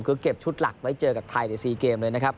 คือเก็บชุดหลักไว้เจอกับไทยใน๔เกมเลยนะครับ